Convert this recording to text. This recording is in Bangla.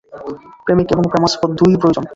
প্রেমিক এবং প্রেমাস্পদ দুই-ই প্রয়োজন।